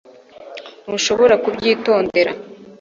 Ntushobora kubyitondera